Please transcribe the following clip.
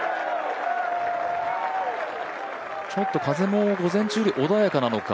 風も午前中より穏やかなのか。